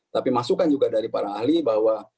tapi masukan juga dari para ahli bahwa